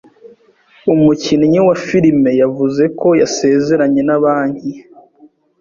Umukinnyi wa filime yavuze ko yasezeranye na banki.